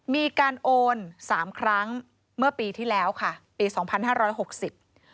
มีการโอน๓ครั้งเมื่อปีที่แล้วค่ะปี๒๕๖๐